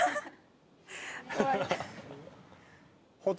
怖い。